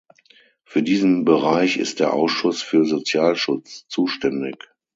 Für diesen Bereich ist der Ausschuss für Sozialschutz zuständig.